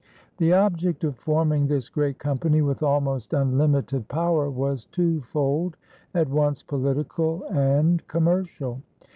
The object of forming this great company with almost unlimited power was twofold, at once political and commercial.